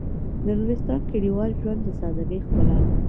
د نورستان کلیوال ژوند د سادهګۍ ښکلا ده.